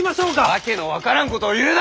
訳の分からんことを言うな！